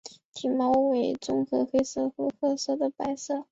体毛为混杂黑色和褐色的白色。